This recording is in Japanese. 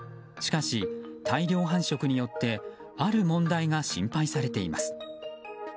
しかし、大量繁殖によってある問題が心配されています。